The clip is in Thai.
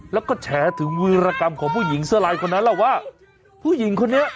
แล้วก็แฉถึงวีรกรรมของผู้หญิงเสื้อลายคนนั้นล่ะว่าผู้หญิงคนนี้